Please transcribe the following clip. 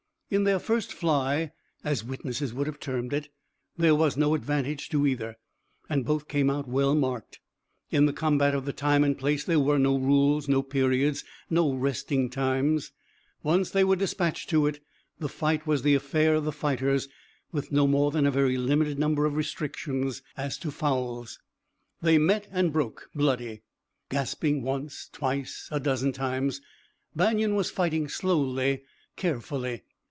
In their first fly, as witnesses would have termed it, there was no advantage to either, and both came out well marked. In the combat of the time and place there were no rules, no periods, no resting times. Once they were dispatched to it, the fight was the affair of the fighters, with no more than a very limited number of restrictions as to fouls. They met and broke, bloody, gasping, once, twice, a dozen times. Banion was fighting slowly, carefully.